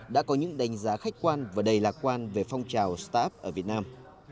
đã có những đánh giá khách quan và đầy lạc quan về phong trào staff ở việt nam